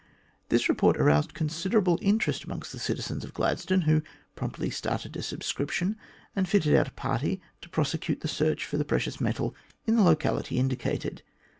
This report aroused considerable interest amongst the citizens of Glad stone, who promptly started a subscription and fitted out a party to prosecute the search for the precious metal in the locality indicated.